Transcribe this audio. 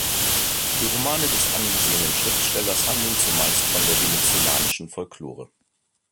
Die Romane des angesehenen Schriftstellers handeln zumeist von der venezolanischen Folklore.